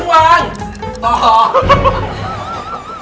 เชฟก๊อบมันก็ต่อด้วย